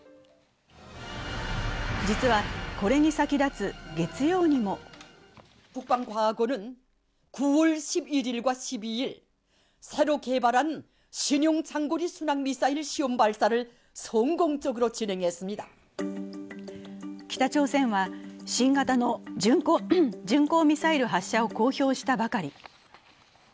実は、これに先立つ月曜にも北朝鮮は新型の巡航ミサイル発射を公表したばかり。